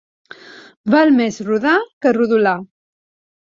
Val més rodar que rodolar.